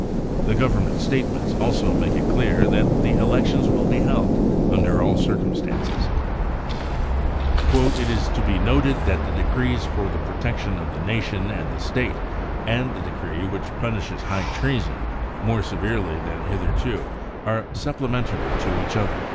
The Government statements also make it clear that the elections will be held under all circumstances. * It<*is to be noted that the decrees for the protection of the Nation and the State, and the decree which punishes high treason more severely than hitherto, are supplementary 1 % 74 BROWN BOOK OF THE HITLER TERROR to eaGch other.